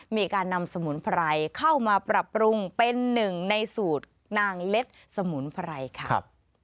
มีการนำสมุนไพรเข้ามาปรับปรุงเป็นหนึ่งในสูตรนางเล็ดสมุนไพรค่ะ